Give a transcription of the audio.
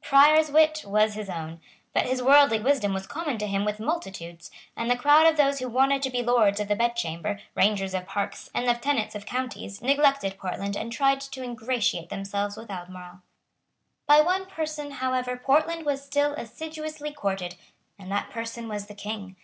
Prior's wit was his own. But his worldly wisdom was common to him with multitudes; and the crowd of those who wanted to be lords of the bedchamber, rangers of parks, and lieutenants of counties, neglected Portland and tried to ingratiate themselves with Albemarle. By one person, however, Portland was still assiduously courted; and that person was the King.